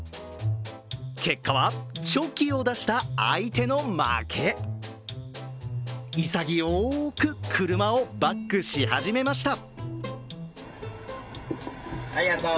結果は、チョキを出した相手の負け潔く車をバックし始めました。